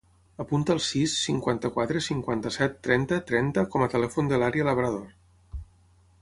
Apunta el sis, cinquanta-quatre, cinquanta-set, trenta, trenta com a telèfon de l'Aria Labrador.